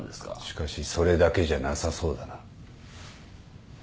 しかしそれだけじゃなさそうだな。